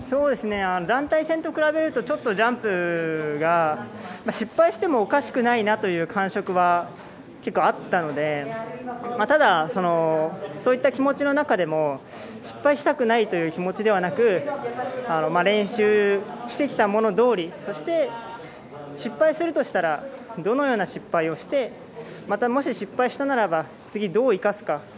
団体戦と比べるとジャンプが失敗してもおかしくないなという感触は結構あったので、そういった気持ちの中でも失敗したくないという気持ちではなく、練習してきたもの通り、失敗するとしたらどのような失敗をして、もし失敗したばらば、次にどう生かすか。